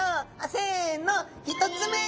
せの１つ目。